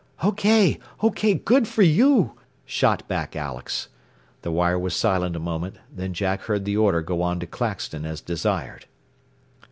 "OK! OK! Good for you," shot back Alex. The wire was silent a moment, then Jack heard the order go on to Claxton as desired.